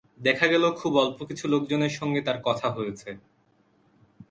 দেখা গেল, খুব অল্পকিছু লোকজনের সঙ্গে তার কথা হয়েছে।